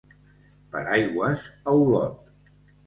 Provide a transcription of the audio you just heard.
Per aigües a Olot.